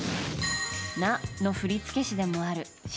「ＮＡ」の振付師でもあるｓ＊